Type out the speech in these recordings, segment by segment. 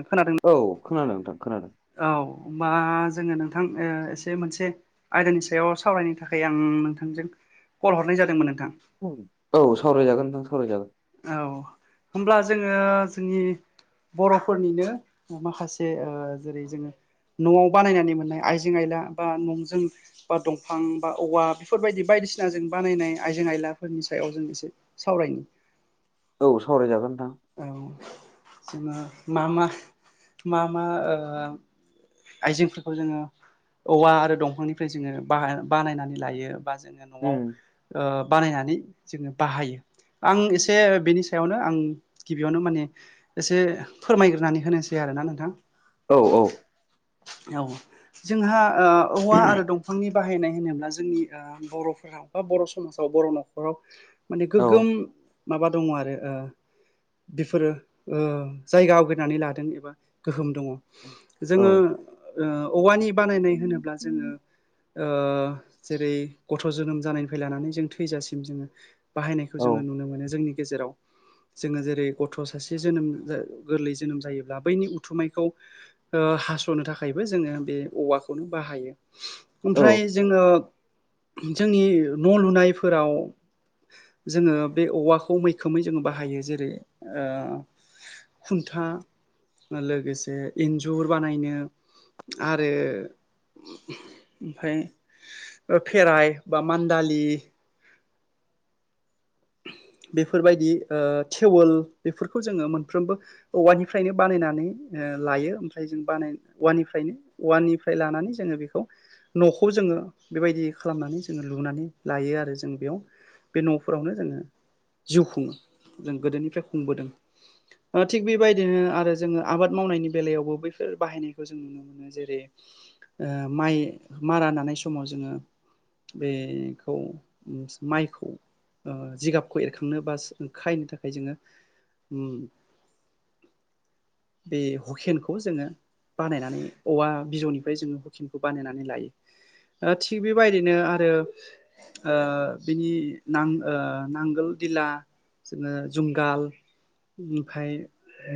आं खोनादों औ खोनादों नोंथां खोनादों। औ हबा जोङो नोंथां ओ एसे मोनसे आयदानि सायाव सावरायनो थाखाय आं नोंथांजों कल हरनाय जादोंमोन नोंथां। औ सावरायजागोन नोंथां सावरायजागोन। औ होमब्ला जोङो जोंनि बर'फोरनिनो माखासे ओ जेरै जोङो न'आव बानायनानै मोननाय आइजें आयला बा न'जों बा दंफां बा औवा बेफोरबायदि बायदिसिना जों बानायनाय आइजें आइलाफोरनि सायाव जों एसे सावरायनि औ सावरायजागोन नोंथां। औ जोङो मा मा मा ओ आइजेंफोरखौ जोङो औवा आरो दंफांनिफ्राय जोङो बा बानायनानै लायो बा जोङो न'वाव उम ओ बानायनानै जोङो बाहायो आं एसे बेनि सायावनो आं गिबियावनो माने एसे फोरमायग्रोनानै होनोसै आरोना नोंथां‌। औ औ औ जोंहा औवा आरो दं फांनि बाहायनाय होनोब्ला जोंनि बर'फोरा बा बर' समाजाव बर' नखराव माने औ गोगोम माबा दङ आरो ओ बेफोरो ओ जायगा आवग्रिनानै लादों एबा गोहोम दङ। औ जोङो औवानि ओ बानायनाय होनोब्ला जोङो ओ जेरै गथ' जोनोम जानायनिफ्राय लानानै जों थैजासिम जोङो बाहायनायखौ औ जोङो नुनो मोनो जोंनि गेजेराव जोङो जे रै गथ' सासे जोनोम गोरलै जोनोम जायोब्ला बैनि उथुमायखौ ओ हास'नो थाखायबो जोङो बे औवाखौनो बाहायो। औ ओमफ्राय जोङो जोंनि न' लुनायफोराव जोङो बे औवाखौ मैखोमै जोङो बाहायो जेरै ओ खुन्था लोगोसे इन्जुर बानायनो आरो ओमफ्राय फेराय बा मान्दालि बेफोरबायदि ओ थेवोल बेफोरखौ जोङो मोनफ्रोमबो औवानिफ्रायनो बानायनानै ओ लायो ओमफ्राय जों बानाय औनिफ्रायनो। औवानिफ्राय लानानै जोङो बेखौ न'खौ जोङो बेबायदि खालामनानै जोङो लुनानै लायो आरो जों बेयाव बे न'फोरावनो जोङो जिउ खुङो जों गोदोनिफ्राय खुंबोदों ओ थिग बेबायदिनो आरो जोङो आबाद मावनायनि बेलायावबो बैफोर बाहायनायखौ जों नुनो मोनो। जेरै ओ माइ मारा नानाय समाव जोङो बेखौ माइखौ ओ जिगाब खौ एरखांनो बास खायनो थाखाय जोङो उम [inaudible] बे हुकेनखौ जोङो बानायनानै औवा बिजौनिफ्राय जोङो हुकेमखौ बानायनानै लायो। ओ थिग बेबायदिनो आरो ओ बिनि नां ओ नांगोल दिला जोङो ओ जुंगाल ओमफाय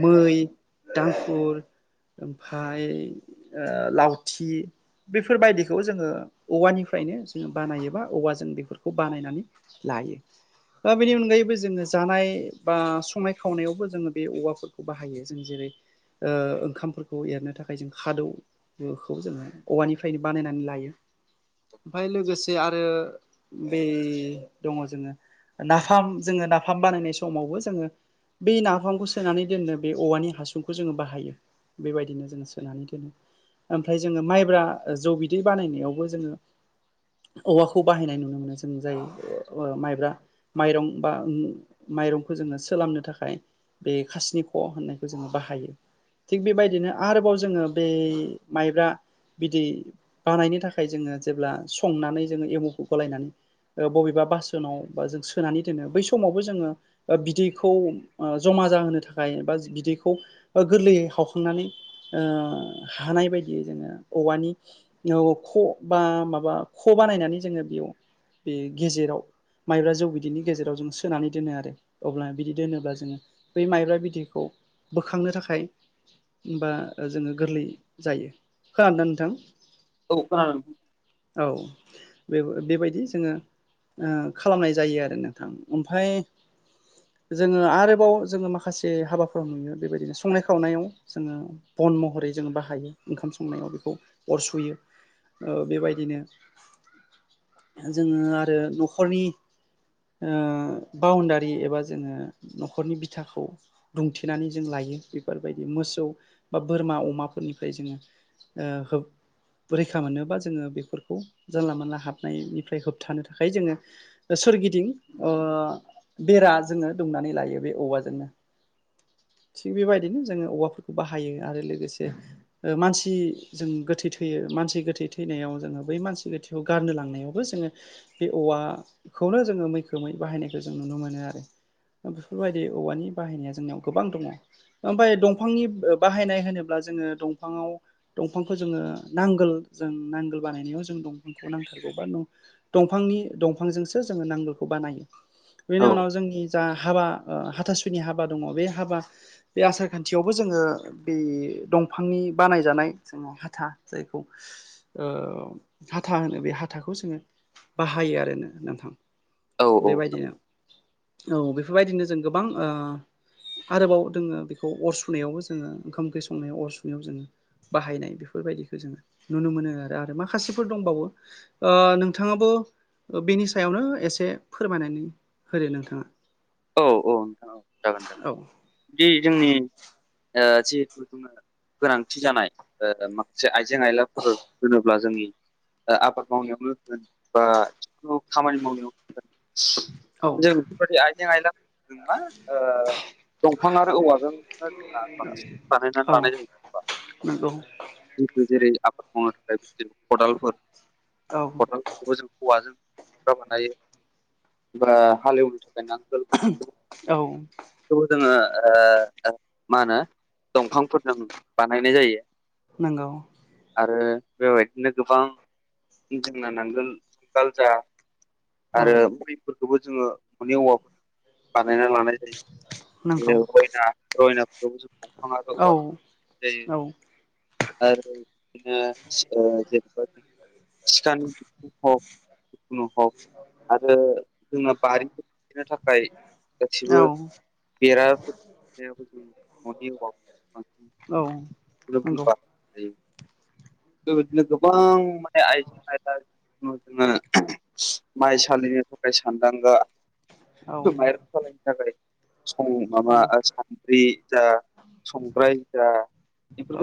मै दांफुर ओमफाय ओ लावथि बेफोरबायदिखौ जोङो औवानिफ्रायनो जोङो बानायो बा औवा जों बेफोरखौ बानायनानै लायो। दा बेनि अनगायैबो जोङो जानाय बा संनाय खावनायावबो जोङो बे औवाफोरखौ बाहायो जों जेरै ओ ओंखामफोरखौ एरनो थाखाय जों खादौ बेखौ जोङो औवानिफ्रायनो बानायनानै लायो। ओमफ्राय लोगोसे आरो बे दङ जोङो। नाफाम जोङो नाफाम बानायनाय समावबो जोङो बे नाफामखौ सोनानै दोननो बे औवानि हासुंखौ जोङो बाहायो। बेबायदिनो जोङो सोनानै दोनो। ओमफ्राय जोङो माइब्रा जौ बिदै बानायनायावबो जोङो औवाखौ बाहायनाय नुनो मोनो जों जाय माइब्रा माइरं बा माइरंखौ जोङो सोलामनो थाखाय बे खासिनिख' होननायखौ जोङो बाहायो। थिग बेबायदिनो आरोबाव जोङो बे माइब्रा बिदि बानायनो थाखाय जोङो जेब्ला संनानै जोङो एमावखौ गलायनानै बबेबा बासोनाव बा जों सोनानै दोनो बै समावबो जोङो ओ बिदैखौ जमा जाहोनो थाखाय बा बिदैखौ गोरलैयै हावखांनानै ओ हानाय बायदियै जोङो औवानि ख बा माबा ख' बानायनानै जोङो बेयाव बे गेजेराव माइब्रा जौ बिदैनि गेजेराव जों सोनानै दोनो आरो अब्ला बिदि दोनोब्ला जोङो बै माइब्रा बिदैखौ बोखांनो थाखाय होनबा जोङो गोरलै जायो खोनादों ना नोंथां औ खोनादों औ बे बेबायदि जोङो ओ खालामनाय जायो आरो नोंथां ओमफाय जोङो आरोबाव जोङो माखासे हाबाफोराव नुयो बेबायदिनो संनाय खावनायाव जोङो बन महरै जोङो बाहायो ओंखाम संनायाव बेखौ अर सुयो ओ बेबायदिनो जोङो आरो न'खरनि ओ बाउणडारि एबा जोङो न'खरनि बिथाखौ बुंथेनानै जों लायो बेफोरबायदि मोसौ बा बोरमा अमाफोरनिफ्राय जोङो ओ [unintelligible] रैखा मोनोबा जोङो बेफोरखौ जानला मोनानला हाबनायनिफ्राय होबथानो थाखाय जोङो सोरगिदिं ओ बेरा जोङो दुमनानै लायो बे औवाजोंनो थिग बेबायदिनो जोङो औवाफोरखौ बाहायो आरो लोगोसे ओ मानसि जों गोथै थैयो मानसि गोथै थैनायाव जोङो बै मानसि गोथै बेखौ गारनो लांनायावबो जोङो बे औवा खौनो जोङो मैखोमै बाहायनायखौ जों नुनो मोनो आरो बेफोरबायदि औवानि बाहायनाया जोंनियाव गोबां दङ ओमफ्राय दंफांनि बाहायनाय होनोब्ला जोङो दंफाङाव दंफांखौ जोङो नांगोल जों नांगोल बानायनायाव जों दंफांखौ नांथारगौ बा दंफांनि दंफांजोंसो जोङो नांगोलखौ बानायो औ बेनि उनाव जोंनि जा हाबा हाथासुनि हाबा दङ बे हाबा बे आसार खान्थियावबो जोङो बे दंफांनि बानायजानाय जों हाथा जायखौ ओ हाथा होनो बे हाथाखौ जोङो बाहायो आरो औ बेबायदिनो औ बेफोरबायदिनो जों गोबां ओ आरोबाव दोङो बेखौ अर सुनायावबो जोङो ओंखाम ओंख्रि संनायाव अर सुनायाव जोङो बाहायनाय बेफोरबायदिखौ जोङो नुनो मोनो आरो आरो माखासेफोर दंबावो ओ नोंथाङाबो बेनि सायावनो एसे फोरमायनानै होदो नोंथाङा औ औ नोंथां औ जागोन जागोन औ बि जोंनि ओ जिहेथु जोङो गोनांथि जानाय ओ माखासे। जे आइजें आयलाफोर होनोब्ला जोंनि आबाद मावनायावनो होन बा जिखुनु खामानि मावनायाव औ [unintelligible] जों बेफोरबायदि आइजें आयला मा ओ दंफां आरो औवाजों [unintelligible] बानायनानै औ लानाय जायो नंगौ [unintelligible] जेरै आबाद मावनो थाखाय बि खदालफोर औ खदाल बेखौबो जों हौवाजों बानायो बा हालेवनो थाखाय नांगोल। औ। बेखौबो जोङो ओ मा होनो दंफांफोरजों बानायनाय जायो नोंगौ। आरो बेबायदिनो गोबां जोंना नांगोल जुंगाल जा औ आरो मुलिफोरखौबो जोङो न'नि औवाफोर बानायना लानाय जायो नंगौ रयना रयनाखौबो जों दंफां आरो औ औवा जों [unintelligible] जायो औ आरो बिदिनो जेनेबा जों सिखानि बिखुं हक जिखुनु हक आरो जोंना बारि [unintelligible] नो थाखाय गासिबो औ बेराफोर दुमनायाबो जोंनि न'नि औवाफोरखौनो बांसिन औ नंगौ [unintelligible] बिदिनो गोबां माने आइजे आयला [unintelligible] जोङो माइ सालिनो थाखाय सानदांगा औ माइरं सालिनो थाखाय माबा नंगौ सानद्रि जा संग्राय जा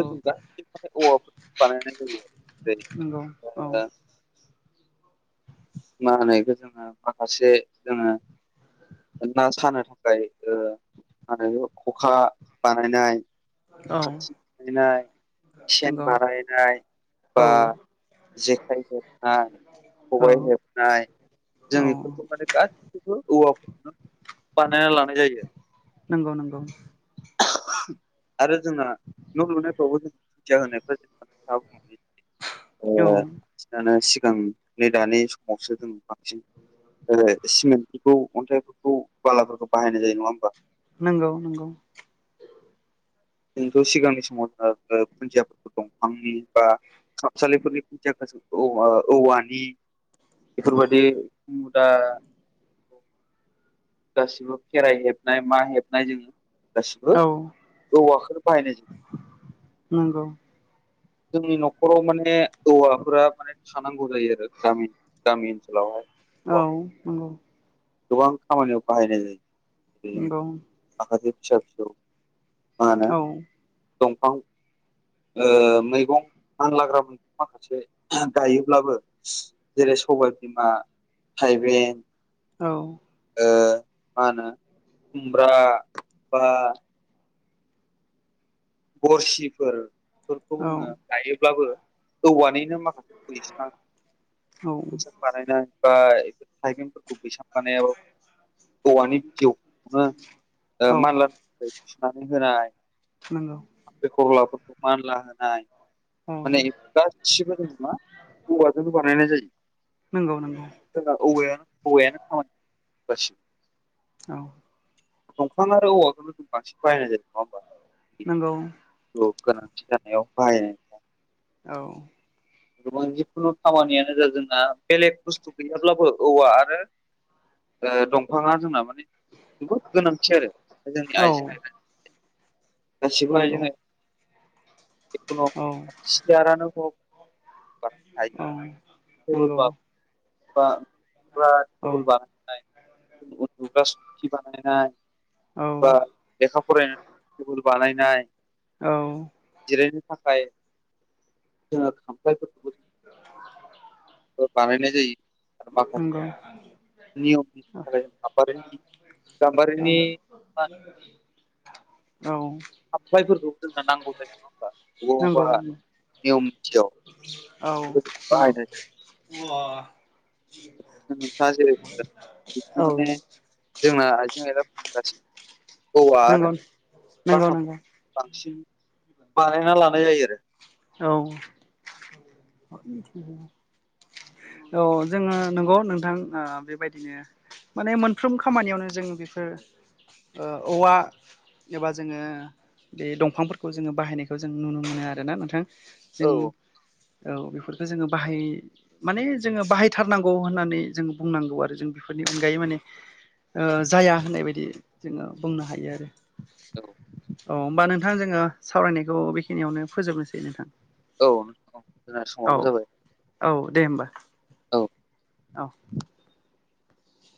औ जों गासैखौबो माने औवाफोरजों बानायनाय जायो आरो जेरै ओ औ औ मा होनो इखौ जोंहा माखासे जोङो ना सानो थाखाय माहोनो खखा बानायनाय औ खाथि बानायनाय सेन नंगौ बानायनाय बा औ जेखाइ हेबनाय औ खबाइ हेब नाय जों औ इफोरखौ माने गासिखौबो औवाफोरखौनो बानायना लानाय जायो नंगौ नंगौ आरो जोंना न' लुनायफ्रावबो जों खुन्थिया होनायफ्रा जोंना [unintelligible] औ बांसिनानो सिगां नै दानि समावसो जों बांसिन सिमेन्टफोरखौ अन्थाइफोरखौ बालाफोरखौ बाहायनाय जायो नङा होमबा नंगौ नंगौ जोंथ' सिगांनि समाव जों खुन्दियाफोरखौ दंफांनि बा खामसालिफोरनि खुनथियाफोरखौ जों औ औवानि बेफोरबायदि मुदा गासिबो फेराइ हेबनाय मा हेबनाय जोङो गासिबो औ औवाखोनो बाहायनाय जायो नंगौ जोंनि न'खराव माने औवाफोरा माने थानांगौ जायो आरो गामि गामि ओनसोलावहाय औ औवाखौ नंगौ गोबां खामानियाव बाहायनाय जायो बिदिनो नंगौ माखासे फिसा फिसौ मा होनो औ दंफां ओ मैगं मानलाग्राफोर माखासे गायोब्लाबो जेरै सबाय बिमा थाइबें औ ओ मा होनो खुमब्रा बा गरसिफोर बेफोरखौ औ जोङो गायोब्लाबो औवानिनो माखासे बैसां बैसां औ बानायनाय बा इसोर थाइबेंफोरखौ बैसां बानायनायावबो औवानि बिजौखौनो औ मानलानो थाखाय थुनानै होनाय नोंगौ खांख्रिखरलाफोरखौ मानला होनाय औ माने गासिबो जोङो मा औवाजोंनो बानायनाय जायो नंगौ नंगौ जोंना औवायानो औवायानो खामानि [unintelligible] औ दंफां आरो औवाखौनो जों बांसिन बाहायनाय जायो नङा होमबा नोंगौ गोनांथि जानायाव बाहायनाय [unintelligible] औ [inaudible] गोबां जिखुनु खामानियानो जा जोंना बेलेग बुस्थु गैयाब्लाबो औवा आरो ओ दंफाङा जोंना माने जबोद गोनांथि आरो जोंनि औ आइजें आइला गासिबो आयजें नंगौ आयला जिखुनो औ सियारानो बुं बा दाइनिं औ नंगौ थेबोलानो बा औ थेबोल बानायनाय उन्दुग्रा सौखि बानायनाय औ बा लेखा फरायनाय टेबोल बानायनाय औ जिरायनो थाखाय जोङो खामख्लायफोरखौबो [unintelligible] बानायनाय जायो आरो नंगौ औ माखासे नंगौ नियमनि थाखाय गाम्बारिनि औ खामफ्लायफोरखौबो जोंना नांगौ जायो नङा होमबा नंगौ बबावबा नियम निथियाव औ बे बाहायनाय जायो [unintelligible] नोंथांङा जेरै बुंदों बिदिनो माने जोंना आइजें आइलाफोरनि गासिबो औवा आरो नंगौ बा नंगौ बांसिन बानायना लानाय जायो आरो औ औ जोङो नंगौ नोंथां ओ बेबायदिनो माने मोनफ्रोम खामानियावनो जों बेफोर ओ औवा एबा जोङो बे दंफांफोरखौ जोङो बाहायनायखौ जों नुनो मोनो आरोना नोंथां जों औ औ बेफोरखौ जोङो बाहाय माने जोङो बाहायथारनांगौ होननानै जों बुंनांगौ आरो जों बेफोरनि अनगायै माने जाया होननाय बायदि जोङो बुंनो हायो आरो औ औ होमबा नोंथां जोङो सावरायनायखौ बेखिनियावनो फोजोबनोसै नोंथां औ औ जोंना औ समाबो जाबाय। औ दे होमबा। औ औ